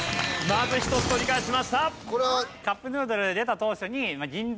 まず一つ取り返しました。